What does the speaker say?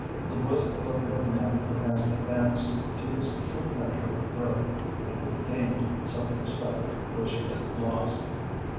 It was the look of a man who has advanced to his true measure of growth, and regained self respect which he had lost.